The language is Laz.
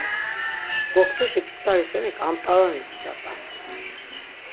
Gotkuşi pitsari şeni ǩant̆aroni nca t̆asinon.